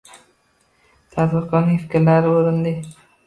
Tadbirkorning fikrlari o'rinli